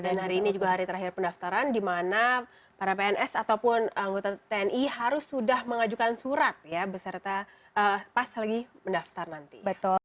dan hari ini juga hari terakhir pendaftaran di mana para pns ataupun anggota tni harus sudah mengajukan surat ya beserta pas lagi mendaftar nanti